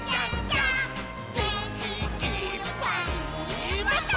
「げんきいっぱいもっと」